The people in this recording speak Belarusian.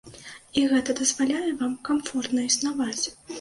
І гэта дазваляе вам камфортна існаваць?